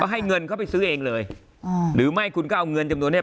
ให้เงินเขาไปซื้อเองเลยอ่าหรือไม่คุณก็เอาเงินจำนวนเนี้ย